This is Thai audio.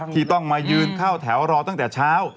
ที่ต้องมายืนเข้าแถวรอตั้งแต่เช้า